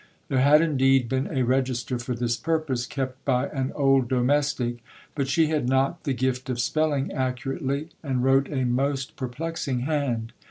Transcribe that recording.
, There had indeed been a register for this purpose, kept by an old domestic ; but she had not the gift of spelling accurately, and wrote a most perplexing hand.